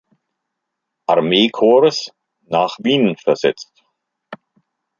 Armeekorps nach Wien versetzt.